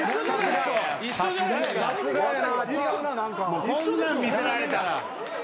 もうこんなん見せられたら。